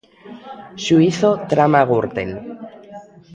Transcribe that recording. Xuízo trama Gürtel.